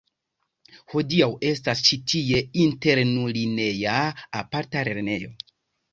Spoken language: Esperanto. Hodiaŭ estas ĉi tie internulineja aparta lernejo.